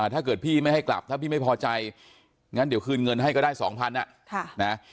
ถ้าเกิดพี่ไม่ให้กลับถ้าพี่ไม่พอใจงั้นเดี๋ยวคืนเงินให้ก็ได้๒๐๐